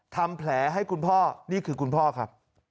ทำแผลให้คุณพ่อนี่คือคุณพ่อครับ